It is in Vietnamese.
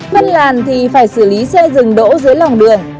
phân làn thì phải xử lý xe rừng đỗ dưới lòng đường